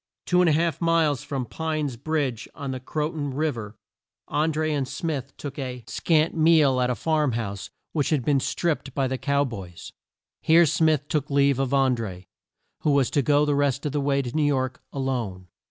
Two and a half miles from Pine's Bridge, on the Cro ton Riv er, An dré and Smith took a scant meal at a farm house which had been stripped by the Cow Boys. Here Smith took leave of An dré, who was to go the rest of the way to New York a lone.